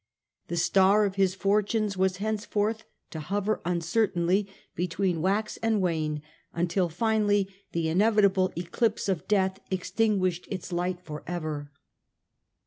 The star of his fortunes was henceforth to hover uncertainly between wax and wane, until finally the inevitable eclipse of death extinguished its light for ever.